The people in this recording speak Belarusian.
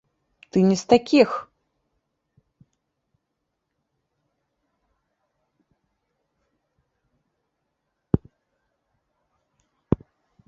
Ты не з такіх!